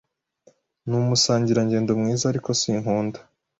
Numusangirangendo mwiza ariko sinkunda.